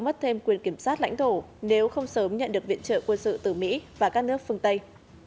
nga sẽ cấp thêm quyền kiểm soát lãnh thổ nếu không sớm nhận được viện trợ quân sự từ mỹ và các nước phương tây